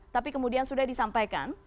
tapi kemudian sudah disampaikan